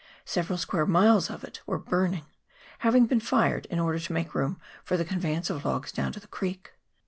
Several square miles of it were burning, having been fired in order to make room for the conveyance of logs down to the creek.